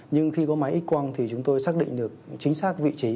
nhưng khi có máy x quang thì chúng tôi xác định được chính xác vị trí